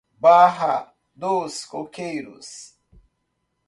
Barra dos Coqueiros